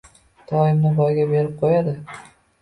Toyimni boyga berib qo‘yadi?